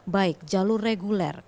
baik jalur reguler